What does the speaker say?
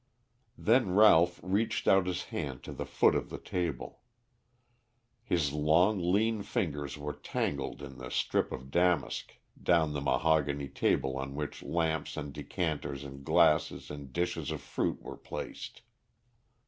Then Ralph reached out his hand to the foot of the table. His long, lean fingers were tangled in the strip of damask down the mahogany table on which lamps and decanters and glasses and dishes of fruit were placed.